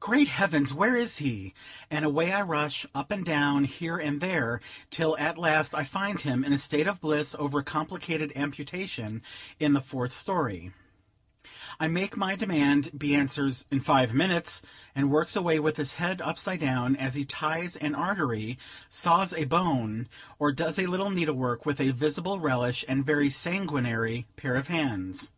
Great heavens! where is he? and away I rush, up and down, here and there, till at last I find him, in a state of bliss over a complicated amputation, in the fourth story. I make my demand; he answers: "In five minutes," and works away, with his head upside down, as he ties an artery, saws a bone, or does a little needle work, with a visible relish and very sanguinary pair of hands.